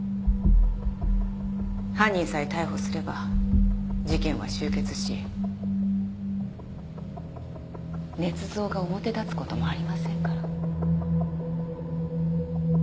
犯人さえ逮捕すれば事件は終結し捏造が表立つ事もありませんから。